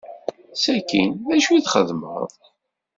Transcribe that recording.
Sakkin, d acu i txedmeḍ?